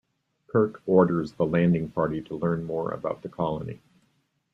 Kirk orders the landing party to learn more about the colony.